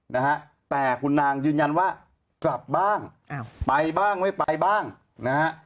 นะฮะแต่คุณนางยืนยันว่ากลับบ้างอ้าวไปบ้างไม่ไปบ้างนะฮะ